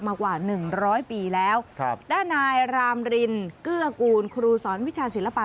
มากว่า๑๐๐ปีแล้วด้านนายรามรินเกื้อกูลครูสอนวิชาศิลปะ